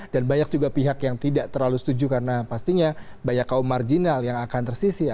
dan banyak juga pihak yang tidak terlalu setuju karena pastinya banyak kaum marginal yang akan tersisih